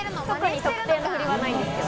特定の振りはないんですけど。